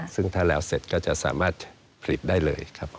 ซึ่งถ้าแล้วเสร็จก็จะสามารถผลิตได้เลยครับ